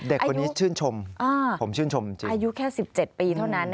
เด็กคนนี้ชื่นชมผมชื่นชมจริงอายุแค่๑๗ปีเท่านั้น